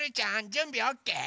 じゅんびオッケー？